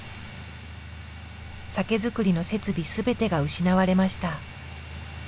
酒造りの設備全てが失われました。